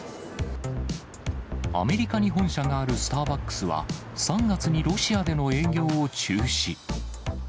アメリカに本社があるスターバックスは、３月にロシアでの営業を中止。